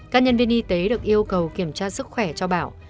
các nhân viên y tế được yêu cầu kiểm tra sức khỏe cho bảo